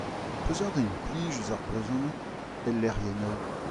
Peseurt implij eus ar brezhoneg el lecʼhiennoù ?